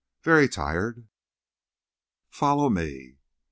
"Very tired." "Follow me."